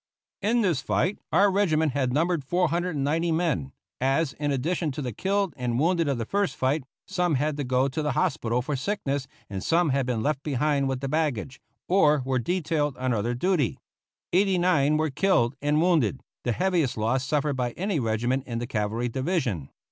In this fight our regiment had numbered 490 men, as, in addition to the killed and wounded of the first fight, some had had to go to the hospital for sickness and some had been left behind with the baggage, or were detailed on other duty. Eighty nine were killed and wounded: the heaviest loss suffered by any regiment in the cavalry division.